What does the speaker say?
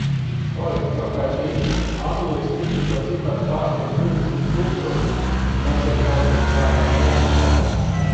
Oi, johaidī, Anglijas kritušo cipars pārsniedz divdesmit tūkstošus, tas ir kaut kas prātam neaptverams.